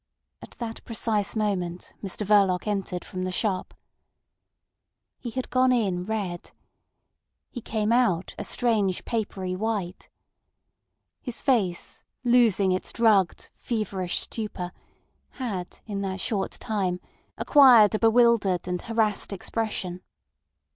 At that precise moment Mr Verloc entered from the shop. He had gone in red. He came out a strange papery white. His face, losing its drugged, feverish stupor, had in that short time acquired a bewildered and harassed expression.